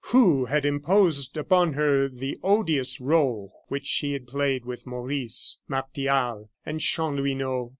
Who had imposed upon her the odious role which she had played with Maurice, Martial, and Chanlouineau?